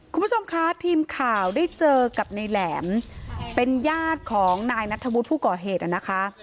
คุณผู้ชมคะทีมข่าวได้เจอกับในแหลมเป็นญาติของนายนัทธวุฒิผู้ก่อเหตุนะคะ